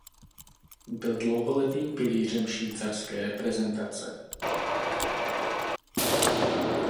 Byl dlouholetým pilířem švýcarské reprezentace.